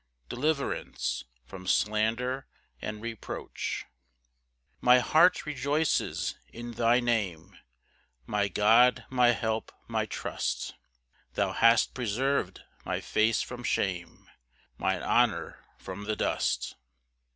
Deliverance from slander and reproach. 1 My heart rejoices in thy name, My God, my help, my trust; Thou hast preserv'd my face from shame, Mine honour from the dust.